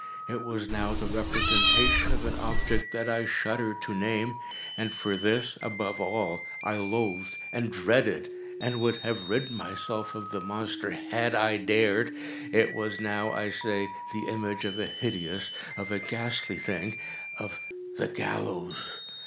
It was now the representation of an object that I shudder to name—and for this, above all, I loathed, and dreaded, and would have rid myself of the monster had I dared—it was now, I say, the image of a hideous—of a ghastly thing—of the GALLOWS!